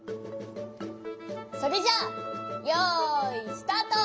それじゃあよいスタート！